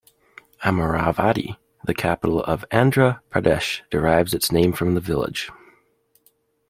Amaravati, the capital of Andhra Pradesh derives its name from the village.